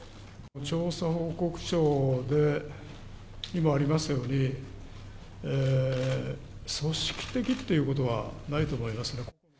調査報告書で、今ありましたように、組織的っていうことはないと思いますね。